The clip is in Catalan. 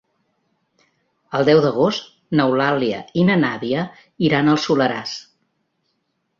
El deu d'agost n'Eulàlia i na Nàdia iran al Soleràs.